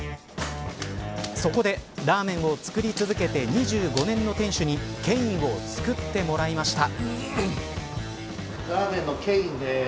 そこでラーメンを作り続けて２５年の店主にケインを作ってもらいました。